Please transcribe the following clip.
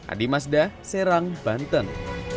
adi mazda serang banten